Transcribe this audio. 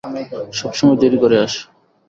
সবসময় দেরি করে আসে।